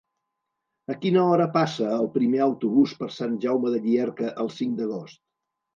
A quina hora passa el primer autobús per Sant Jaume de Llierca el cinc d'agost?